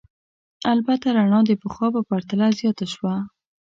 البته رڼا د پخوا په پرتله زیاته شوه.